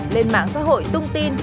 lên mạng xã hội tung tin